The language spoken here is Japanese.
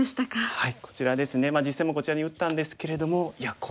はい。